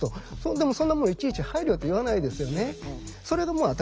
でもそんなものいちいち配慮と言わないですよね。